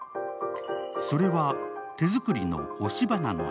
それは、手作りの押し花の栞。